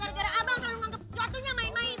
emangnya anak gue salah kan